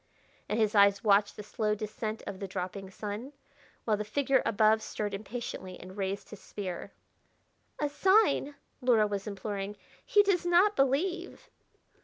And his eyes watched the slow descent of the dropping sun, while the figure above stirred impatiently and raised his spear. "A sign!" Luhra was imploring. "He does not believe!"